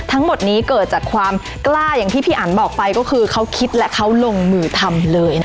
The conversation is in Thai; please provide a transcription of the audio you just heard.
ทั้งหมดนี้เกิดจากความกล้าอย่างที่พี่อันบอกไปก็คือเขาคิดและเขาลงมือทำเลยนะคะ